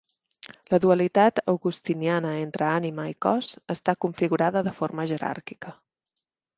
La dualitat agustiniana entre ànima i cos està configurada de forma jeràrquica.